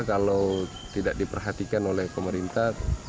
kalau tidak diperhatikan oleh pemerintah